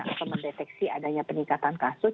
atau mendeteksi adanya peningkatan kasus